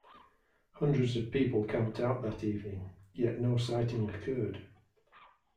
Hundreds of people camped out that evening yet no sighting occurred.